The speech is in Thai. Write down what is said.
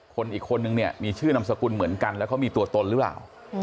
คนอีกคนนึงเนี่ยมีชื่อนามสกุลเหมือนกันแล้วเขามีตัวตนหรือเปล่า